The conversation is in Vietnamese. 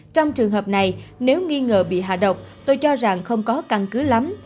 trong trường hợp này nếu nghi ngờ bị hạ độc tôi cho rằng không có căn cứ lắm